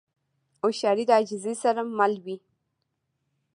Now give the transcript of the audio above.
هوښیاري د عاجزۍ سره مل وي.